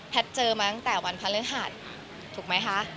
แพทย์เจอมาตั้งแต่วันพันธุ์เลื้นหาดถูกมั้ยคะ